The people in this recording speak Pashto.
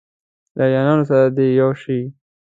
له ایرانیانو سره دې یو شي.